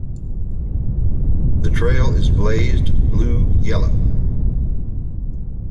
The trail is blazed Blue-Yellow.